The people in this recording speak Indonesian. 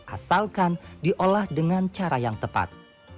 asalkan diolah dengan cara yang tepat